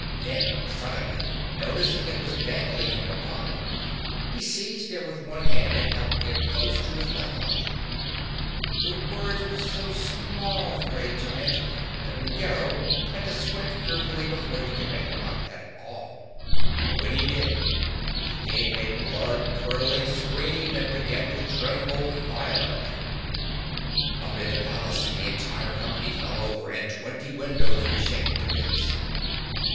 Then, suddenly noticing it was dangling from above, he seized it in one hand and held it close to his left eye. The words were so small for a giant that Ruggedo had to squint fearfully before he could make them out at all, but when he did he gave a bloodcurdling scream, and began to tremble violently. [Illustration: "Ruggedo gave a bloodcurdling scream and began to tremble violently"] Up in the palace the entire company fell over and twenty windows were shaken to bits.